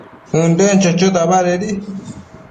ënden chochota badedi